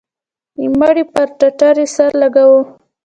د مړي پر ټټر يې سر لگاوه.